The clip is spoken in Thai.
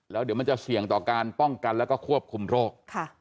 แล้วเดี๋ยวมันจะเสี่ยงต่อการป้องกันแล้วก็ควบคุมโรค